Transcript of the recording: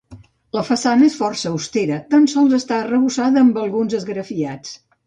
La façana és força austera, tan sols està arrebossada amb alguns esgrafiats.